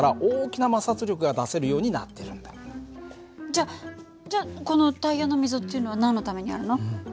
じゃじゃあこのタイヤの溝っていうのは何のためにあるの？